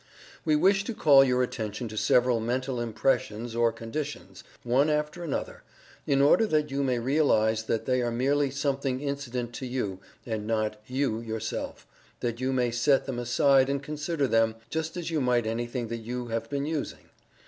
We wish to call your attention to several mental impressions or conditions, one after another, in order that you may realize that they are merely something incident to you, and not YOU yourself that you may set them aside and consider them, just as you might anything that you have been using.